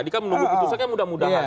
dika menunggu keputusan kayak mudah mudahan